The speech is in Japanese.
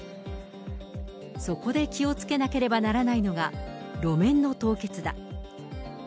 そこで気をつけなければならないのが、路面の凍結だ。